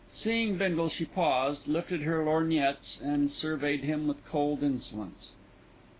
Seeing Bindle she paused, lifted her lorgnettes, and surveyed him with cold insolence.